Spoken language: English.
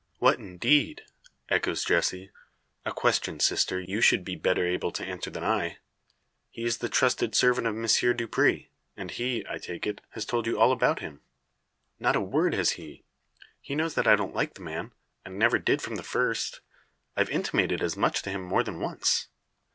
"What, indeed?" echoes Jessie. "A question, sister, you should be better able to answer than I. He is the trusted servant of M. Dupre; and he, I take it, has told you all about him." "Not a word has he. He knows that I don't like the man, and never did from the first. I've intimated as much to him more than once."